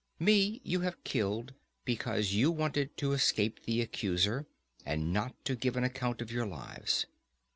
Me you have killed because you wanted to escape the accuser, and not to give an account of your lives.